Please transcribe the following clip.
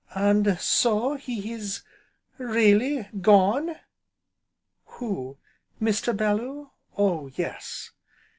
"And so, he is really gone?" "Who Mr. Bellew? Oh yes!"